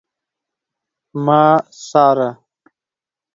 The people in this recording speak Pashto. ما څاره